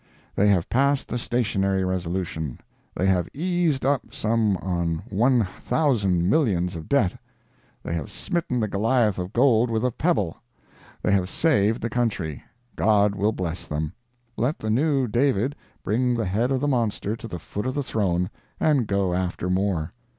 They have passed the stationery resolution—they have eased up some on one thousand millions of debt—they have smitten the Goliath of gold with a pebble—they have saved the country. God will bless them. Let the new David bring the head of the monster to the foot of the throne, and go after more.